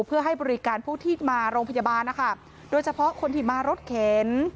เพื่อให้บริการผู้ที่มาโรงพยาบาลนะคะโดยเฉพาะคนที่มารถเข็น